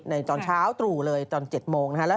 ในตอนเช้าตรูเลยตอน๗โมง